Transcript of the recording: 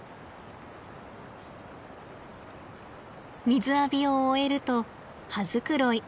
水浴びを終えると羽繕い。